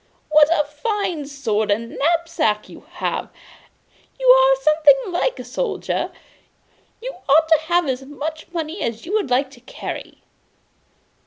'What a fine sword and knapsack you have! You are something like a soldier! You ought to have as much money as you would like to carry!